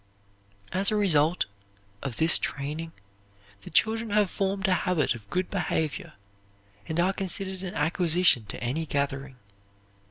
As a result of this training the children have formed a habit of good behavior and are considered an acquisition to any gathering.